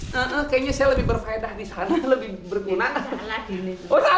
kayaknya saya lebih berfaedah di sana lebih berguna ini